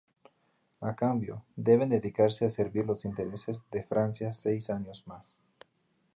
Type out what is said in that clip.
A cambio, deben dedicarse a servir los intereses de Francia seis años más.